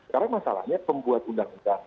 karena masalahnya pembuat undang undang